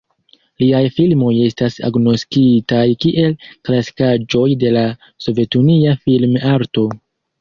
Liaj filmoj estas agnoskitaj kiel klasikaĵoj de la sovetunia film-arto.